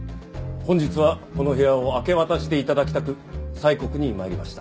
本日はこの部屋を明け渡して頂きたく催告に参りました。